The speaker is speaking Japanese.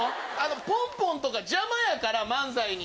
ぽんぽんとか邪魔やから、漫才に。